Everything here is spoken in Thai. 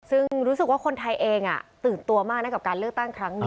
ซึ่งรู้สึกว่าคนไทยเองตื่นตัวมากนะกับการเลือกตั้งครั้งนี้